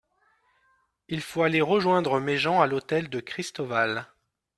Il faut aller rejoindre mes gens à l’hôtel de Christoval.